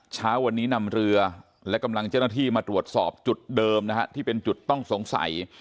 เช้าวันนี้นำเรือและกำลังเจ้าหน้าที่มาตรวจสอบจุดเดิมนะฮะที่เป็นจุดต้องสงสัย